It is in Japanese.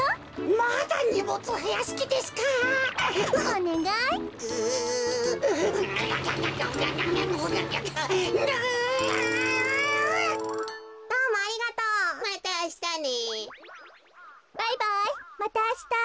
またあした。